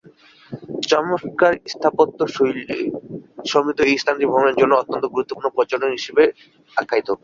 চমৎকার স্থাপত্যশৈলী সমৃদ্ধ এই স্থানটি ভ্রমণের জন্য অত্যন্ত গুরুত্বপূর্ণ পর্যটন স্পট হিসেবে আখ্যায়িত।